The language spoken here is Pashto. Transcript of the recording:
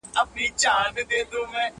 يو هلک بل ته وايي چي دا ډېره بده پېښه ده